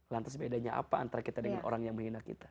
lantas bedanya apa antara kita dengan orang yang menghina kita